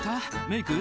メイク？